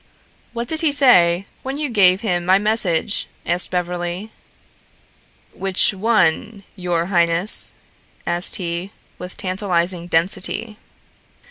"What did he say when you gave him my message?" asked Beverly. "Which one, your highness?" asked he, with tantalizing density.